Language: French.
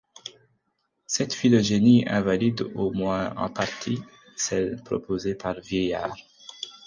Cette phylogénie invalide au moins en partie celle proposée par Vielliard.